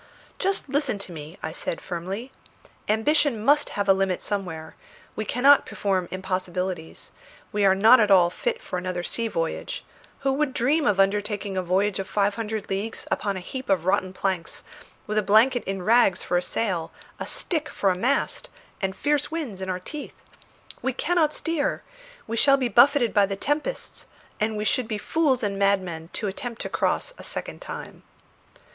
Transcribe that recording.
"Just listen to me," I said firmly. "Ambition must have a limit somewhere; we cannot perform impossibilities; we are not at all fit for another sea voyage; who would dream of undertaking a voyage of five hundred leagues upon a heap of rotten planks, with a blanket in rags for a sail, a stick for a mast, and fierce winds in our teeth? We cannot steer; we shall be buffeted by the tempests, and we should be fools and madmen to attempt to cross a second time."